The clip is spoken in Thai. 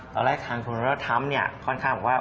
ตอนแรกทางธุรกิจทำค่อนข้างบอกว่า